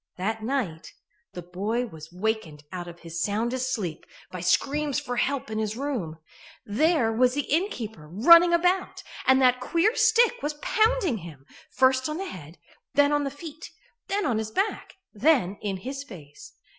That night the boy was wakened out of his soundest sleep by screams for help in his room. There was the innkeeper running about, and that queer stick was pounding him, first on the head, then on the feet, then on his back, then in his face.